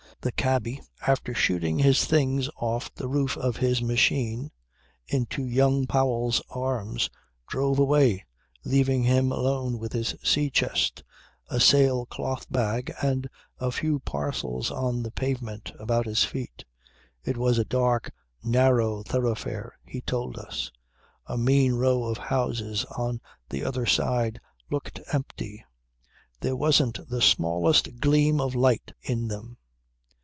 The cabby, after shooting his things off the roof of his machine into young Powell's arms, drove away leaving him alone with his sea chest, a sail cloth bag and a few parcels on the pavement about his feet. It was a dark, narrow thoroughfare he told us. A mean row of houses on the other side looked empty: there wasn't the smallest gleam of light in them.